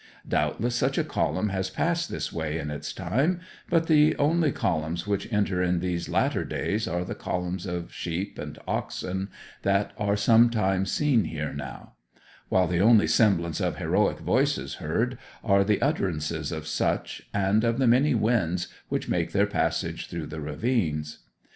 Doubtless such a column has passed this way in its time, but the only columns which enter in these latter days are the columns of sheep and oxen that are sometimes seen here now; while the only semblance of heroic voices heard are the utterances of such, and of the many winds which make their passage through the ravines.